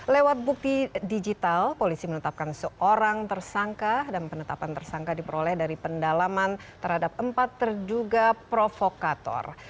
lewat bukti digital polisi menetapkan seorang tersangka dan penetapan tersangka diperoleh dari pendalaman terhadap empat terduga provokator